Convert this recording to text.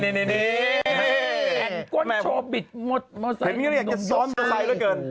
แขนก้นโชว์บิดหมดเหมือนอยากจะซ้อนเบอร์ไซค์ด้วยเกิน